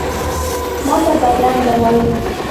ماته بدرنګه وایې،